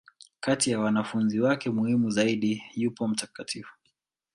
Kati ya wanafunzi wake muhimu zaidi, yupo Mt.